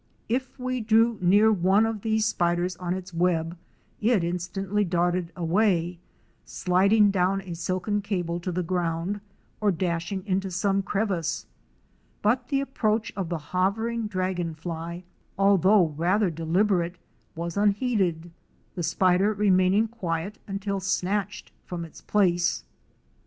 If we drew near one of these spiders on its web, it instantly darted away, sliding down a silken cable to the ground or dashing into some crevice, but the approach of the hovering dragon fly, al though rather deliberate, was unheeded, the spider remain ing quiet until snatched from its place.